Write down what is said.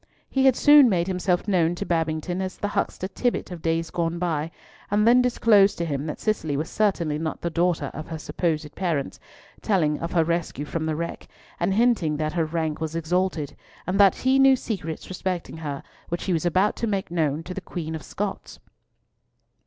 He had soon made himself known to Babington as the huckster Tibbott of days gone by, and had then disclosed to him that Cicely was certainly not the daughter of her supposed parents, telling of her rescue from the wreck, and hinting that her rank was exalted, and that he knew secrets respecting her which he was about to make known to the Queen of Scots.